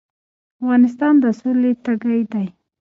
افغانستان د سولې تږی دی